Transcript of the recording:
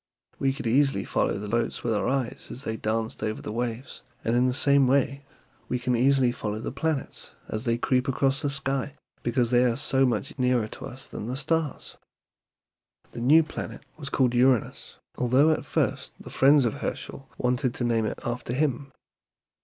We could easily follow the boats with our eyes as they danced over the waves, and in the same way we can easily follow the planets as they creep across the sky, because they are so much nearer to us than the stars." "The new planet was called Uranus, although at first the friends of Herschel wanted to name it after him.